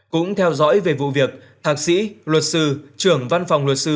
cũng theo dõi về vụ việc thạc sĩ luật sư trưởng văn phòng luật sư